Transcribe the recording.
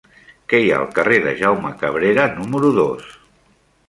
Què hi ha al carrer de Jaume Cabrera número dos?